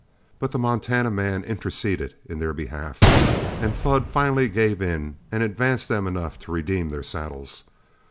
But the Montana man interceded in their behalf, and Flood finally gave in and advanced them enough to redeem their saddles.